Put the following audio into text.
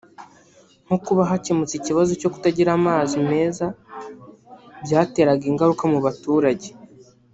nko kuba hakemutse ikibazo cyo kutagira amazi meza byateraga ingaruka mu baturage